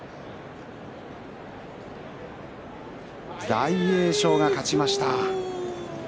大栄翔が勝ちました。